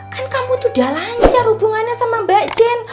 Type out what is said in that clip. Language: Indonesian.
kan kamu tuh udah lancar hubungannya sama mbak jen